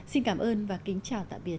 xin cảm ơn và kính chào tạm biệt